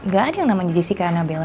gak ada yang namanya jessica nabella